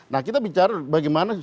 nah kita bicara bagaimana